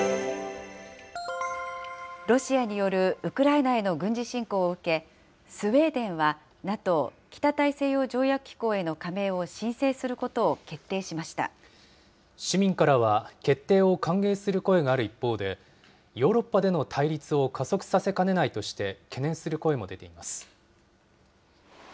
ロシアによるウクライナへの軍事侵攻を受け、スウェーデンはＮＡＴＯ・北大西洋条約機構への加盟を申請するこ市民からは、決定を歓迎する声がある一方で、ヨーロッパでの対立を加速させかねないとして懸念する声も出ています。